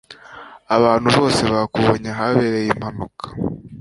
abantu benshi bakubonye ahabereye impanuka